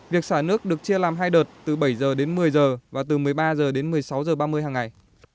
việc xá nước được chia làm hai đợt từ bảy giờ đến một mươi giờ và từ một mươi ba giờ đến một mươi sáu giờ ba mươi hàng ngày